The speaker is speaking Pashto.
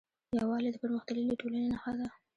یووالی د پرمختللې ټولنې نښه ده.